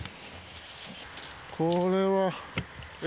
これは、え？